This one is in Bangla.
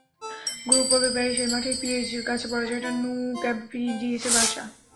গ্রুপ পর্বে প্যারিসের মাঠে পিএসজির কাছে পরাজয়টা ন্যু ক্যাম্পে ফিরিয়ে দিয়েছে বার্সা।